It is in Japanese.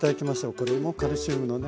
これもカルシウムのね